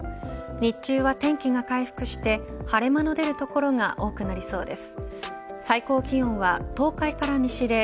日中は天気が回復して晴れ間の出る所が多くなりそうです。